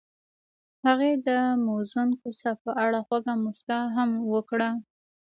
هغې د موزون کوڅه په اړه خوږه موسکا هم وکړه.